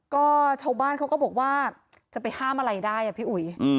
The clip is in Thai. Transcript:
ก็ชาวบ้านเขาก็บอกว่าจะไปห้ามอะไรได้อ่ะพี่อุ๋ย